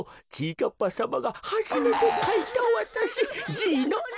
かっぱさまがはじめてかいたわたしじいのえ。